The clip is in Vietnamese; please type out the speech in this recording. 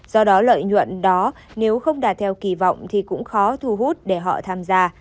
do đó lợi nhuận đó nếu không đạt theo kỳ vọng thì cũng khó thu hút để họ tham gia